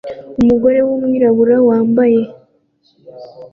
Umugore wumwirabura wambaye